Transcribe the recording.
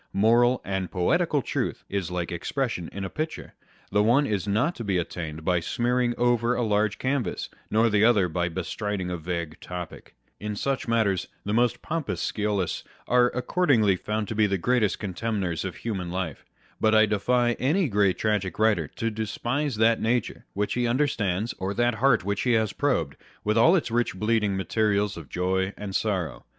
Moral and poetical truth is like expression in a picture â€" the one is not to be attained by smearing over a large canvas, nor the other by bestriding a vague topic. In such matters, the most pompous sciolists ^e accordingly found to be the greatest On Application to Study. 73 contemners of human life. But I defy any great tragic writer to despise that nature which he understands, or that heart which he has probed, with all its rich bleeding materials of joy and sorrow.